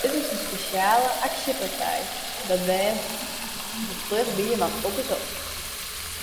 Dit is in spesjale aksjepartij, dat wês der fluch by want op is op!